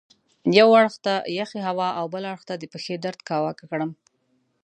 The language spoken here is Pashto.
یوه اړخ ته یخې هوا او بل اړخ ته د پښې درد کاواکه کړم.